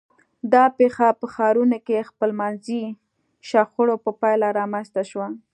دا پېښه په ښارونو کې خپلمنځي شخړو په پایله رامنځته شوه.